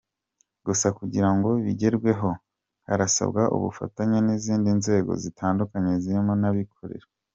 Gusa kugira ngo bigerweho harasabwa ubufatanye n’izindi nzego zitandukanye zirimo n’abikorera .